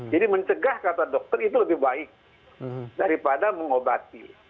jadi mencegah kata dokter itu lebih baik daripada mengobati